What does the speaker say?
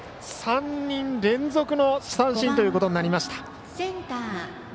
３人連続の三振ということになりました。